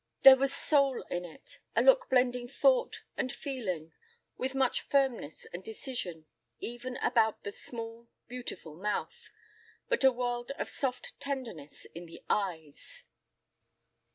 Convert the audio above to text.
There was soul in it a look blending thought and feeling with much firmness and decision even about the small, beautiful mouth, but a world of soft tenderness in the eyes.